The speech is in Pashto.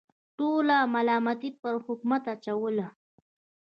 ټوله ملامتي پر حکومت اچوله.